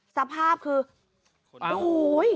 สภาพคือโอ้โห